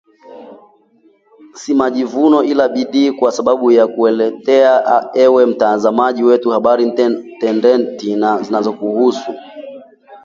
Si majivuno ila bidii kwa sababu ya kukuletea ewe mtazamaji wetu habari tendeti na zinazokuhusu